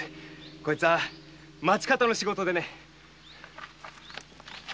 これは町方の仕事でね。